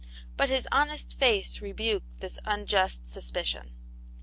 But his honest face rebuked this unjust suspicion.